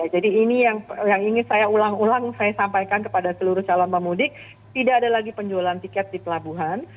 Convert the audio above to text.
jadi ini yang ingin saya ulang ulang saya sampaikan kepada seluruh calon pemudik tidak ada lagi penjualan tiket di pelabuhan